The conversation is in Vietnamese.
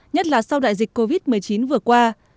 nhất là sau đại dịch covid một mươi chín vừa qua